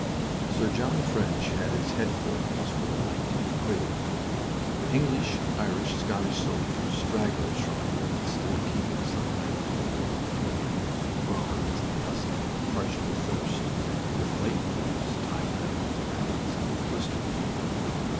Sir John French had his headquarters for the night in Creil. English, Irish, Scottish soldiers, stragglers from units still keeping some kind of order, were coming in, bronzed, dusty, parched with thirst, with light wounds tied round with rags, with blistered feet.